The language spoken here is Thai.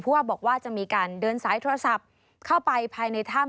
ว่าบอกว่าจะมีการเดินสายโทรศัพท์เข้าไปภายในถ้ำ